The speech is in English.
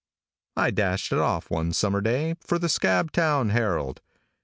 I dashed it off one summer day for the Scabtown Herald.